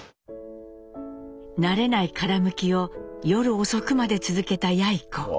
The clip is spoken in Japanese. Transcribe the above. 慣れない殻むきを夜遅くまで続けたやい子。